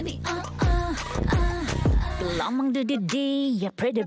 นี่ไงเชอร์ลี่